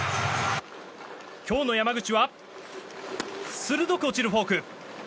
今日の山口は鋭く落ちるフォーク。